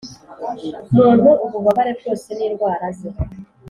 muntu ububabare bwose nindwara ze